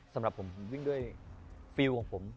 สำหรับผมผมวิ่งด้วยฟิลล์ของผม